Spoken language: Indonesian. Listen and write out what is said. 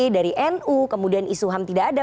dari nu kemudian isu ham tidak ada